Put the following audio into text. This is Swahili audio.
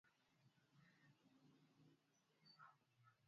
kupanda kwa gharama za maisha ni changamoto